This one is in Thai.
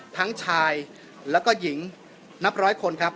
ทั้งชายแล้วก็หญิงนับร้อยคนครับ